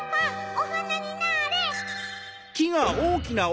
おはなになれ！